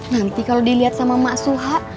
nanti kalo diliat sama maksuha